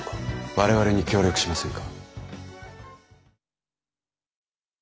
我々に協力しませんか？